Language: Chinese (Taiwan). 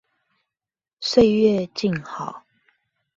歲月靜好